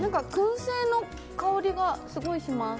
燻製の香りがすごいします。